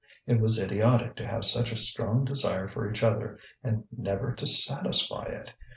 It was idiotic to have such a strong desire for each other and never to satisfy it.